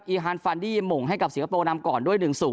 และมีฮาร์นฟันดี้มงให้กับสิงคโปร์นำก่อนด้วย๑๐